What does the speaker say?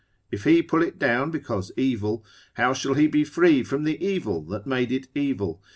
If he pull it down because evil, how shall he be free from the evil that made it evil?